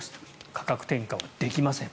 価格転嫁をできません。